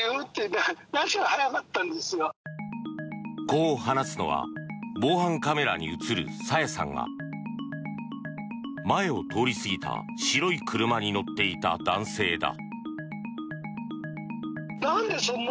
こう話すのは防犯カメラに映る朝芽さんが前を通り過ぎた白い車に乗っていた男性だ。